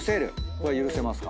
これは許せますか？